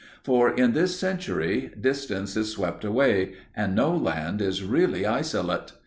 For, in this century, distance is swept away and no land is really isolate.